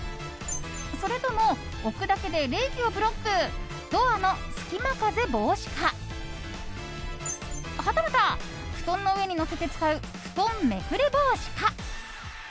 それとも置くだけで冷気をブロックドアの隙間風防止かはたまた、布団の上に載せて使う布団めくれ防止か。